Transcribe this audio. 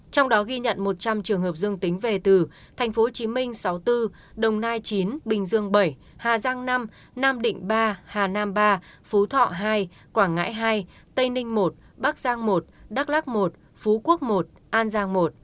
trong đó ghi nhận một trăm linh trường hợp dương tính về từ thành phố hồ chí minh sáu mươi bốn đồng nai chín bình dương bảy hà giang năm nam định ba hà nam ba phú thọ hai quảng ngãi hai tây ninh một bắc giang một đắk lắc một phú quốc một an giang một